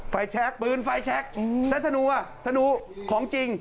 ไฟแชคปืนไฟแชคแต่ถนูอ่ะถนูของจริง